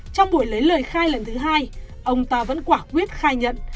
trong buổi lấy lời khai lần thứ hai ông ta vẫn quả quyết khai nhận